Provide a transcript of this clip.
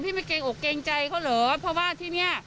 ไม่เกรงอกเกรงใจเขาเหรอเพราะว่าที่เนี่ย